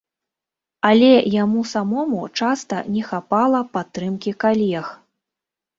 Але яму самому часта не хапала падтрымкі калег.